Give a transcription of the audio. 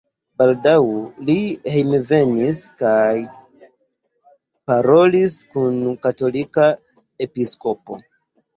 Baldaŭ li hejmenvenis kaj parolis kun katolika episkopo.